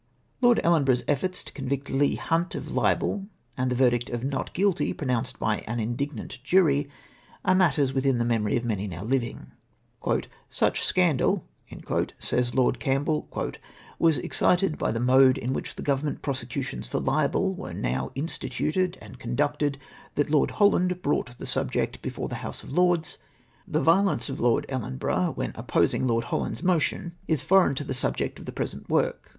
Lord Ellenborough's efforts to convict Leigh Hunt of hbel, and the verdict of " Not Guilty " pronounced by an indignant jury, are matters within the memory of many now hving. " Such scandal," says Lord Camp beU, " was excited by the mode in which Government prosecutions for hbel were now histituted and con ducted, that Lord Holland brought tlie subject before the House of Lords. Tlie violence of Lord Ellen 378 HIS DESIKE TO COXYICT OBNOXIOUS PERSONS. borough wlieu opposing Lord Holland's motion, is foreign to the subject of the present work.